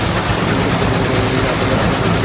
গত রাতের ঘটনাটা নিয়ে আপনাকে কিছু প্রশ্ন করতে চাই।